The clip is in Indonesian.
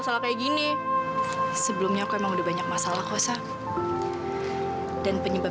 sampai jumpa di video selanjutnya